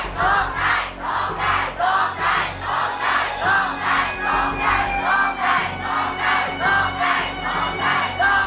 โตคใจโตคใจโตคใจ